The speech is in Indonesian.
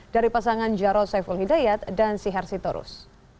dari pasangan jarod saiful hidayat dan sihar sitorus